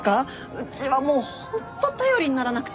うちはもうホント頼りにならなくて。